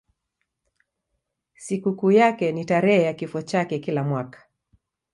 Sikukuu yake ni tarehe ya kifo chake kila mwaka.